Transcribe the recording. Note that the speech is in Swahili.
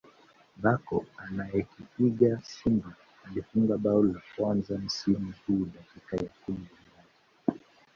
Bocco anayekipiga Simba alifunga bao la kwanza msimu huu dakika ya kumi na moja